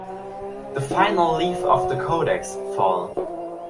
The final leaf of the codex, fol.